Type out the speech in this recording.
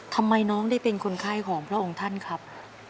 ทำไมน้องได้เป็นคนไข้ของพระองค์ท่านครับ